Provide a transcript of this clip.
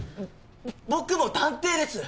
僕も探偵です！